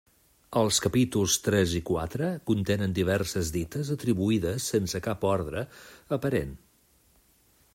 Els capítols tres i quatre contenen diverses dites atribuïdes sense cap ordre aparent.